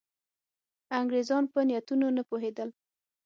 انګرېزان په نیتونو نه پوهېدل.